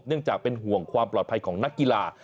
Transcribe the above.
จากเป็นห่วงความปลอดภัยของนักกีฬา